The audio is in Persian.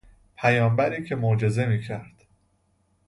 پیامبری که معجزه میکرد